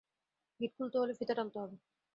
গিট খুলতে হলে ফিতা টানতে হবে।